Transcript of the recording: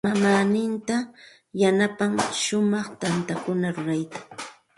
Mamaaninta yanapan shumaq tantakuna rurayta.